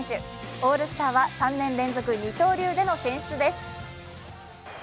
オールスターは３年連続二刀流での出場です。